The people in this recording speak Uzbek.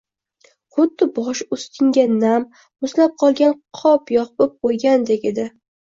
Xuddi bosh ustingga nam, muzlab qolgan qop yoyib qoʻyilgandek edi.